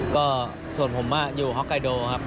ก็ส่วนผมอยู่ฮอกไกโดครับ